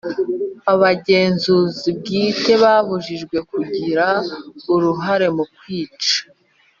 Abagenzuzi bwite babujijwe kugira uruhare mukwica